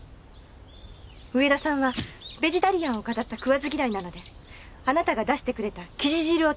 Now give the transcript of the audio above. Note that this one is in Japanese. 上田さんはベジタリアンを騙った食わず嫌いなのであなたが出してくれたキジ汁を食べなかった。